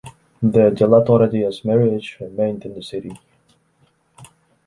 The De la Torre-Díaz marriage remained in the City.